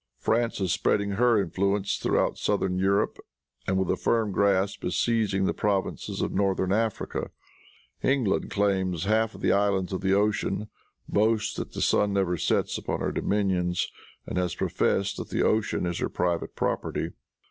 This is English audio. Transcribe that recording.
France is spreading her influence throughout southern Europe, and, with a firm grasp, is seizing the provinces of northern Africa. England claims half of the islands of the ocean, boasts that the sun never sets upon her dominions, and has professed that the ocean is her private property.